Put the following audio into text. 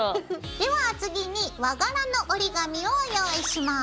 では次に和柄の折り紙を用意します。